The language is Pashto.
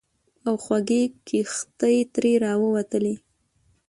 او خوږې کیښتې ترې راووتلې.